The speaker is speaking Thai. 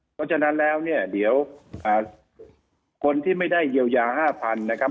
เพราะฉะนั้นแล้วเนี่ยเดี๋ยวคนที่ไม่ได้เยียวยา๕๐๐๐นะครับ